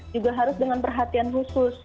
juga harus dengan perhatian khusus